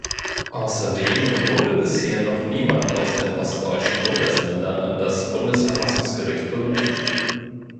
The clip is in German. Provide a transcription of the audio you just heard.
Außerdem wurde bisher noch niemand aus den ostdeutschen Bundesländern an das Bundesverfassungsgericht berufen.